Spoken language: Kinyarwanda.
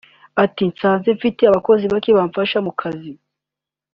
Ati “Nsanzwe mfite abakozi bake bamfasha mu kazi kanjye